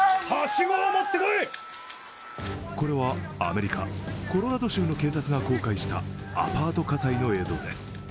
これはアメリカ・コロラド州の警察が公開したアパート火災の映像です。